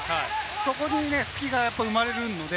そこに隙が生まれるので。